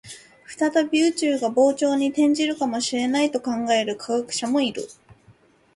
再び宇宙が膨張に転じるかもしれないと考える科学者もいる